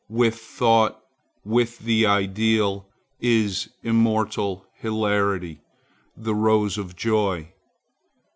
With thought, with the ideal, is immortal hilarity, the rose of joy.